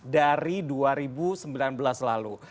dari dua ribu sembilan belas lalu